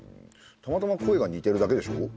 たまたま声が似てるだけでしょ？